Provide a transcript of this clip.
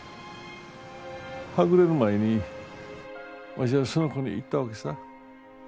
はぐれる前にわしはその子に言ったわけさ。